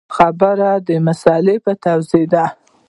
خبره د مسألې په توضیح کې ده.